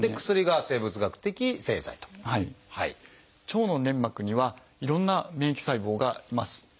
腸の粘膜にはいろんな免疫細胞がいます。